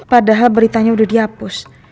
padahal beritanya udah dihapus